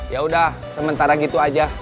yaudah sementara gitu aja